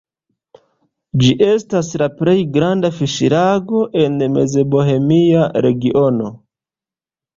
Ĝi estas la plej granda fiŝlago en Mezbohemia regiono.